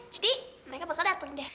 jadi mereka bakal dateng deh